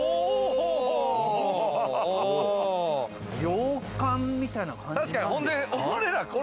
洋館みたいな感じ。